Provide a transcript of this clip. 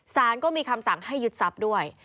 สารก็มีคำสั่งให้ยึดทรัพย์ด้วย